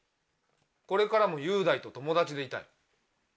これからも雄大と友達でいたい。